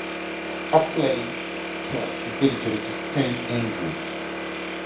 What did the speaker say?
Apley church is dedicated to Saint Andrew.